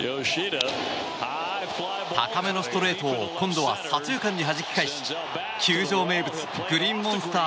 高めのストレートを今度は左中間にはじき返し球場名物グリーンモンスター